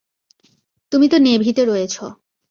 তুমি তো নেভিতে রয়েছো।